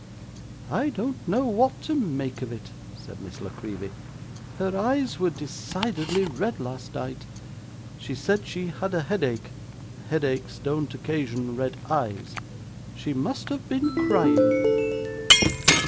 'I don't know what to make of it,' said Miss La Creevy. 'Her eyes were decidedly red last night. She said she had a headache; headaches don't occasion red eyes. She must have been crying.